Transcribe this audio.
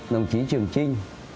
đồng chí trường trinh